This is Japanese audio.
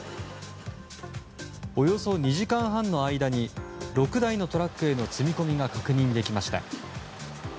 およそ２時間半の間に６台のトラックへの積み込みが確認できました。